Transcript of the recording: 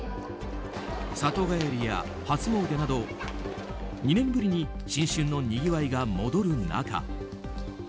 里帰りや初詣など、２年ぶりに新春のにぎわいが戻る中